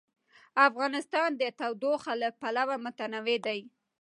افغانستان د تودوخه له پلوه متنوع دی.